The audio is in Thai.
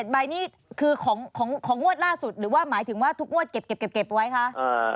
ใบนี่คือของงวดล่าสุดหรือว่าหมายถึงว่าทุกงวดเก็บไว้คะ